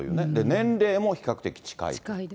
年齢も比較的近い。